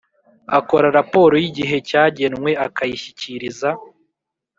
Akora raporo y igihe cyagenwe akayishyikiriza